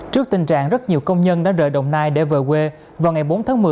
trước tình trạng rất nhiều công nhân đã rời đồng nai để về quê vào ngày bốn tháng một mươi